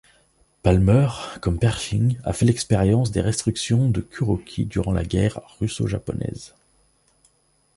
Palmer, comme Pershing, a fait l'expérience des restrictions de Kuroki durant la guerre russo-japonaise.